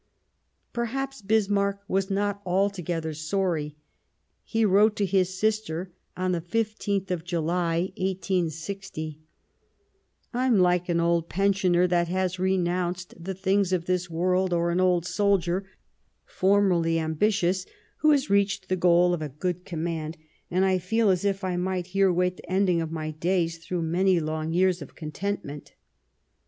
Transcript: Perhaps Bismarck was not altogether sorry ; he wrote to his sister on the 15th of July, i860 ;" I'm like an old pensioner that has renounced the things of this world, or an old soldier, formerly ambitious, who has reached the goal of a good command, and I feel as if I might here wait the ending of my days through many long years of contentment."